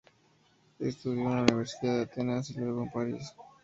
Estudió en la Universidad de Atenas y luego en París.